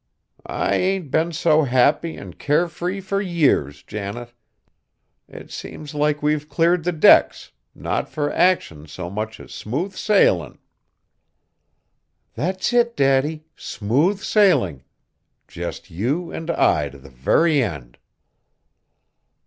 "I ain't been so happy an' care free fur years, Janet. It seems like we've cleared the decks, not fur action so much as smooth sailin'!" "That's it, Daddy, smooth sailing. Just you and I to the very end!"